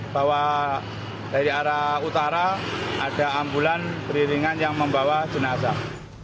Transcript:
bahwa dari arah utara ada ambulan beriringan yang membawa jenazah